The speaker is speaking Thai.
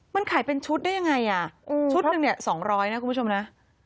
มันขายเป็นชุดได้ยังไงอ่ะชุดหนึ่งเนี่ย๒๐๐นะคุณผู้ชมนะ